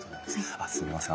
あっすみません